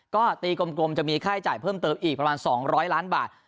ก็ตีกลมจะมีค่าใช้จ่ายเพิ่มเติมอีกประมาณ๒๐๐ล้านบาท